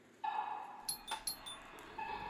本列表列出了火星上的所有链坑。